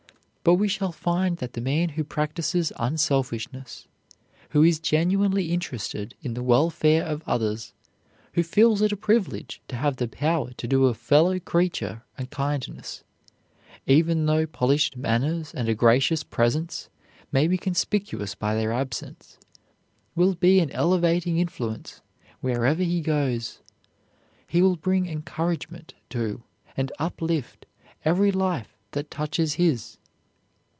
But we shall find that the man who practises unselfishness, who is genuinely interested in the welfare of others, who feels it a privilege to have the power to do a fellow creature a kindness, even though polished manners and a gracious presence may be conspicuous by their absence, will be an elevating influence wherever he goes. He will bring encouragement to and uplift every life that touches his.